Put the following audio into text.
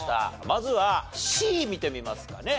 まずはＣ見てみますかね。